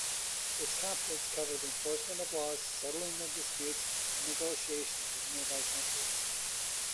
Its competence covered enforcement of laws, settling of disputes, and negotiations with nearby countries.